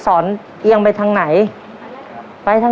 หนึ่งล้านหนึ่งล้าน